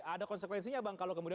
ada konsekuensinya bang kalau kemudian